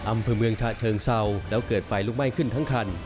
อำเภอเมืองฉะเชิงเศร้าแล้วเกิดไฟลุกไหม้ขึ้นทั้งคัน